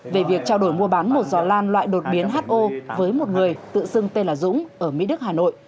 về việc trao đổi mua bán một giỏ lan loại đột biến ho với một người tự xưng tên là dũng ở mỹ đức hà nội